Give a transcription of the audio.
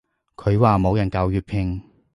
佢話冇人教粵拼